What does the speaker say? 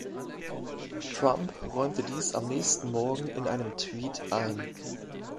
Trump räumte dies am nächsten Morgen in einem Tweet ein.